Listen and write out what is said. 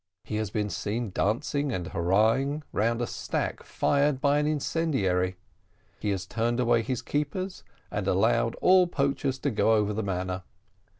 He has been seen dancing and hurrahing round a stack fired by an incendiary. He has turned away his keepers, and allowed all poachers to go over the manor.